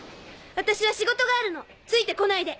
私は仕事があるのついて来ないで。